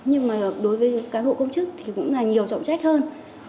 nhưng mà đối với cán bộ công chức thì cũng là nhiều trọng trách hơn